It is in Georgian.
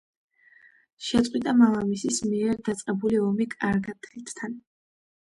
შეწყვიტა მამამისის მიერ დაწყებული ომი კართაგენთან.